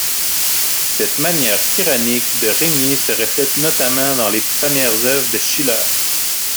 Cette manière tyrannique de régner se reflète notamment dans les premières œuvres de Schiller.